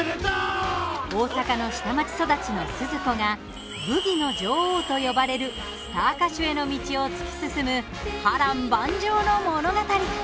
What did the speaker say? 大阪の下町育ちのスズ子がブギの女王と呼ばれるスター歌手への道を突き進む波乱万丈の物語。